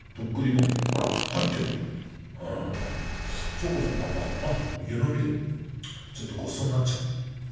ちょこじゃ何だからな湯飲みでちょっとごちそうになっちゃおう。